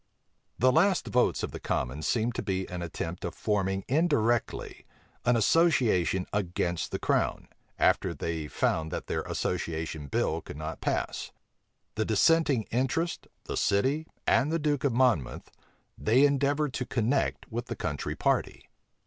The last votes of the commons seemed to be an attempt of forming indirectly an association against the crown, after they found that their association bill could not pass: the dissenting interest, the city, and the duke of Monmouth, they endeavored to connect with the country party.